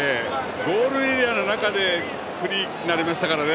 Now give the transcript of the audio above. ゴールエリアの中でフリーになりましたからね。